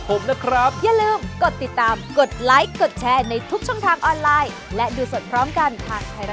สวัสดีครับ